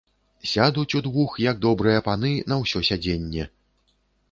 Сядуць удвух, як добрыя паны, на ўсё сядзенне.